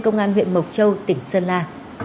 công an huyện mộc châu tỉnh sơn la